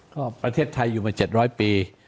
ก็ประเทศไทยอยู่มา๗๐๐ปี